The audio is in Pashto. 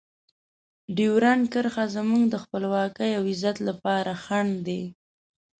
ډیورنډ کرښه زموږ د خپلواکۍ او عزت لپاره خنډ دی.